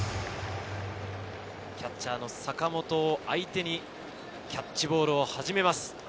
キャッチャー・坂本を相手にキャッチボールを始めます。